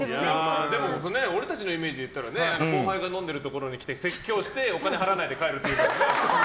俺たちのイメージでいうと後輩が飲んでるところに来て説教してお金払わないで帰るっていう。